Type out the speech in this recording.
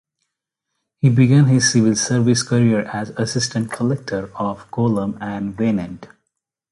He began his civil service career as assistant collector of Kollam and Wayanad.